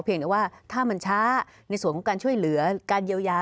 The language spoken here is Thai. แต่ว่าถ้ามันช้าในส่วนของการช่วยเหลือการเยียวยา